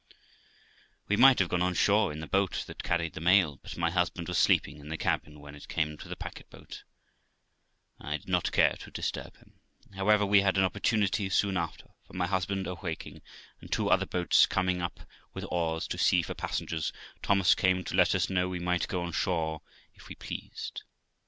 We might have gone on shore in the boat that carried the mail, but my husband was sleeping in the cabin when it came to the packet boat, and I did not care to disturb him; however, we had an opportunity soon after, for my husband awaking, and two other boats coming up with oars to see for passengers, Thomas came to let us know we might go on shore if we pleased.